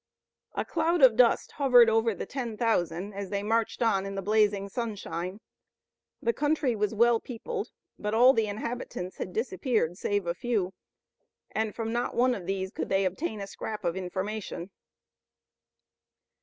A cloud of dust hovered over the ten thousand as they marched on in the blazing sunshine. The country was well peopled, but all the inhabitants had disappeared save a few, and from not one of these could they obtain a scrap of information.